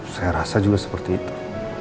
saya rasa juga seperti itu